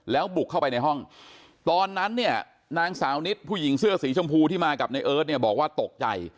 แล้วบุกเข้าไปในห้องตอนนั้นเนี่ยนางสาวนิดผู้หญิงเสื้อสีชมพูที่มากับในเอิร์ทเนี่ยบอกว่าตกใจ